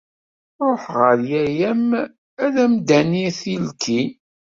Ṛuḥ ɣer yaya-m ad m-d-ani tilkin.